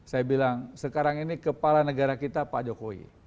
saya bilang sekarang ini kepala negara kita pak jokowi